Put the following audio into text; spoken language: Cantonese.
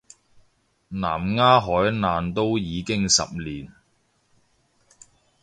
南丫海難都已經十年